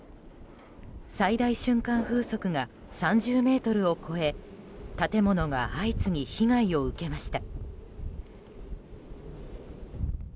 最大瞬間風速が３０メートルを超え建物が相次ぎ被害を受けました。